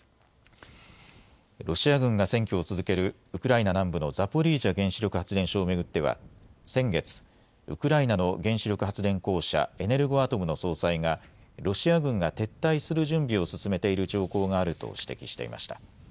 ロシア軍が占拠を続けるウクライナ南部のザポリージャ原子力発電所を巡っては先月、ウクライナの原子力発電公社、エネルゴアトムの総裁がロシア軍が撤退する準備を進めている兆候があると指摘していました。